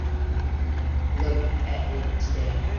Look at it today.